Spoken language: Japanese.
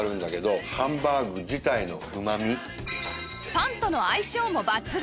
パンとの相性も抜群！